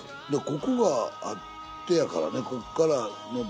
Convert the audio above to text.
ここがあってやからね。